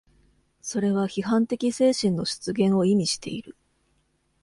それは批判的精神の出現を意味している。